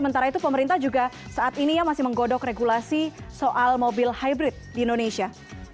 sementara itu pemerintah juga saat ini ya masih menggodok regulasi soal mobil hybrid di indonesia